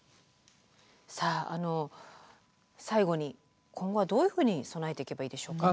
さああの最後に今後はどういうふうに備えていけばいいでしょうか。